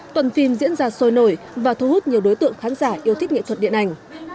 tuần phim diễn ra sôi nổi và thu hút nhiều đối tượng khán giả yêu thích nghệ thuật điện ảnh